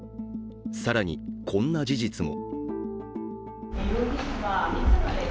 更にこんな事実も。